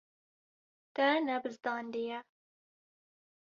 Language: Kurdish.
Te nebizdandiye.